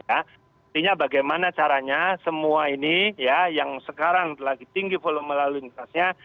artinya bagaimana caranya semua ini ya yang sekarang lagi tinggi volume lalu lintasnya